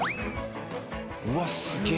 うわっすげえ。